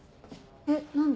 えっ何で？